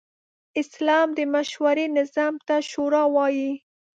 اسلام د مشورې نظام ته “شورا” وايي.